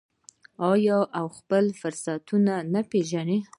آیا او خپل فرصتونه وپیژنو؟